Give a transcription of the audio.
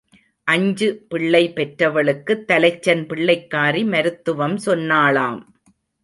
அஞ்சு பிள்ளை பெற்றவளுக்குத் தலைச்சன் பிள்ளைக்காரி மருத்துவம் சொன்னாளாம்.